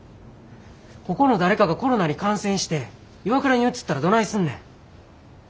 ここの誰かがコロナに感染して岩倉にうつったらどないすんねん。